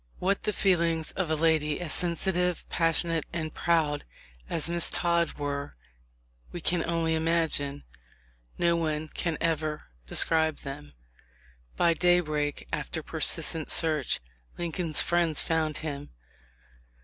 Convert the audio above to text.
What the feel ings of a lady as sensitive, passionate, and proud as Miss Todd were we can only imagine — no one can ever describe them. By daybreak, after persistent search, Lincoln's friends found him.